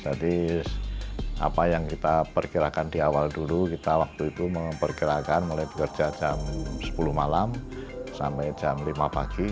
apa yang kita perkirakan di awal dulu kita waktu itu memperkirakan mulai bekerja jam sepuluh malam sampai jam lima pagi